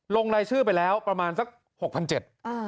ลงรายชื่อไปแล้วประมาณสัก๖๗๐๐เออ